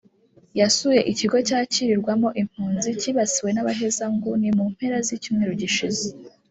yasuye ikigo cyakirirwamo impunzi cyibasiwe n’abahezanguni mu mpera z’icyumweru gishize